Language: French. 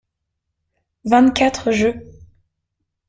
Vingt-quatre jeux.